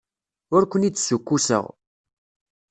Ur ken-id-ssukkuseɣ.